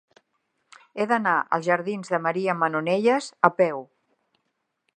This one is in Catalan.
He d'anar als jardins de Maria Manonelles a peu.